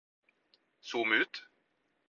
zoom ut